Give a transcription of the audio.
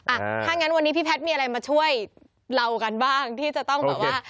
อ่ะถ้างั้นวันนี้พี่แพทย์มีอะไรมาช่วยเรากันบ้างที่จะต้องแบบว่า